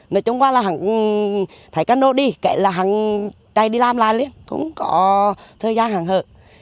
nói chung là hẳn thái cano đi kể là hẳn chạy đi làm lại liền cũng có thời gian hẳn hợp